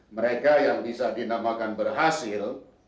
mereka yang bisa dinamakan berhasil